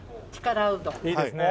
いいですね。